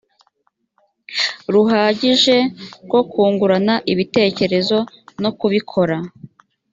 ruhagije rwo kungurana ibitekerezo no kubikora